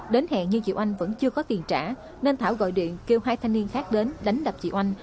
đến hẹn như chị oanh vẫn chưa có tiền trả nên thảo gọi điện kêu hai thanh niên khác đến đánh đập chị oanh